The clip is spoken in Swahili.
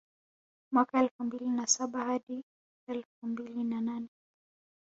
Mwaka elfu mbili na saba hadi elfu mbili na nane